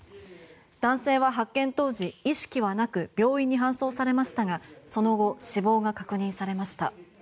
男性は発見当時、意識はなく病院に搬送されましたがその後、死亡が確認されました。